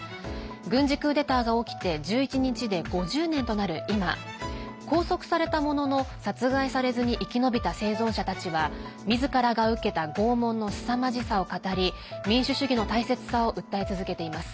軍事クーデターが起きて１１日で５０年となる今拘束されたものの、殺害されずに生き延びた生存者たちはみずからが受けた拷問のすさまじさを語り民主主義の大切さを訴え続けています。